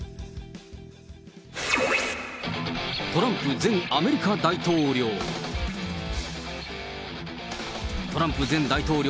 トランプ前アメリカ大統領。